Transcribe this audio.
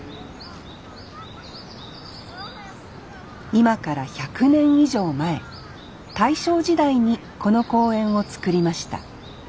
今から１００年以上前大正時代にこの公園を造りました。